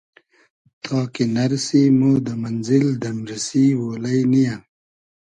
تا کی نئرسی مۉ دۂ مئنزیل دئمریسی اۉلݷ نییۂ